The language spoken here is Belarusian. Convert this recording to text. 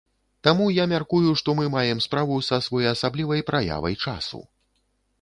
Таму я мяркую, што мы маем справу са своеасаблівай праявай часу.